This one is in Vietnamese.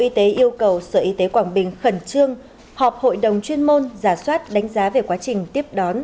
y tế yêu cầu sở y tế quảng bình khẩn trương họp hội đồng chuyên môn giả soát đánh giá về quá trình tiếp đón